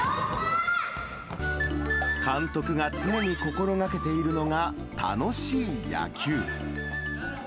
監督が常に心がけているのが、楽しい野球。